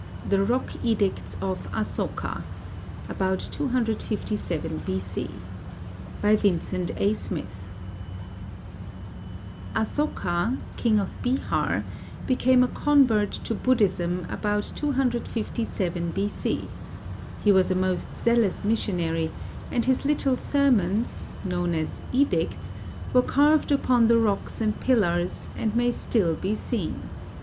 THE ROCK EDICTS OF ASOKA [About 257 B.C.] BY VINCENT A. SMITH [AsoKA, King of Behar, became a convert to Buddhism about 257 B.C. He was a most zealous missionary, and his little sermons, known as "Edicts," were carved upon the rocks and pillars, and may still be seen.